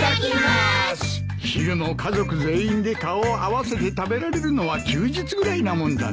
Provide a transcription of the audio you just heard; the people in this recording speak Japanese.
昼も家族全員で顔を合わせて食べられるのは休日ぐらいなもんだなあ。